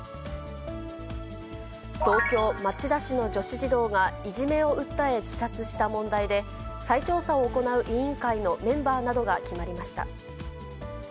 東京・町田市の女子児童がいじめを訴え、自殺した問題で、再調査を行う委員会のメンバーなどが決まりました。